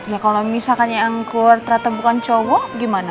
ya kalau misalkan yang keluar rata bukan cowok gimana